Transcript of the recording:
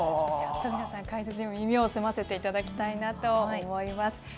ちょっと皆さん、解説に耳を澄ませていただきたいなと思います。